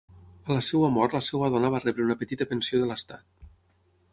A la seva mort la seva dona va rebre una petita pensió de l'Estat.